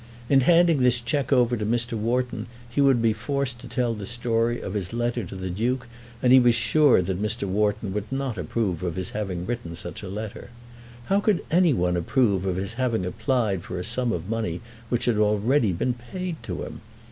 In handing this cheque over to Mr. Wharton he would be forced to tell the story of his letter to the Duke, and he was sure that Mr. Wharton would not approve of his having written such a letter. How could any one approve of his having applied for a sum of money which had already been paid to him?